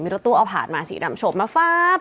รถตู้เอาผ่านมาสีดำฉบมาฟ้าบ